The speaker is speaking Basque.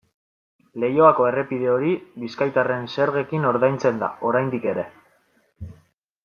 Leioako errepide hori bizkaitarren zergekin ordaintzen da, oraindik ere.